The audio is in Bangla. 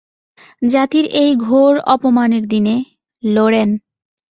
জাতির এই ঘোর অপমানের দিনে, লোরেন।